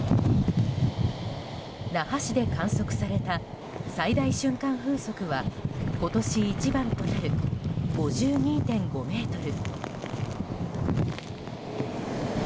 那覇市で観測された最大瞬間風速は今年一番となる５２．５メートル。